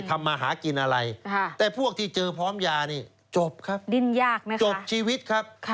มาหากินอะไรแต่พวกที่เจอพร้อมยานี่จบครับดิ้นยากนะจบชีวิตครับ